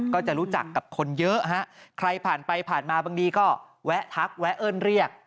ก็จะรู้จักกับคนเยอะฮะใครผ่านไปผ่านมาบางทีก็แวะทักแวะเอิ้นเรียก